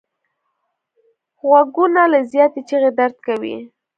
غوږونه له زیاتې چیغې درد کوي